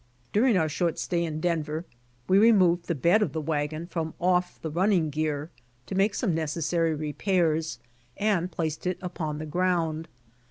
During our short stay in Denver we removed the bed of the wagon from off the running gear, to make some necessary repairs, and placed it upon the ground.